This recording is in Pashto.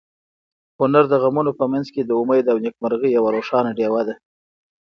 هنر د غمونو په منځ کې د امید او نېکمرغۍ یوه روښانه ډېوه ده.